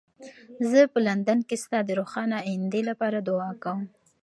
زه په لندن کې ستا د روښانه ایندې لپاره دعا کوم.